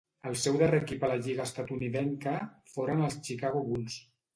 El seu darrer equip a la lliga estatunidenca foren els Chicago Bulls.